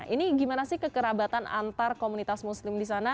ini gimana sih kekerabatan antar komunitas muslim di sana